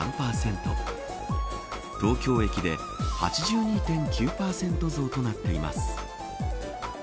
東京駅で８２．９％増となっています。